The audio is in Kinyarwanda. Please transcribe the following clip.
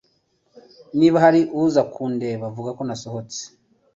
Niba hari uza kundeba, vuga ko nasohotse.